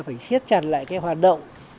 phải xét chặt lại cái hoạt động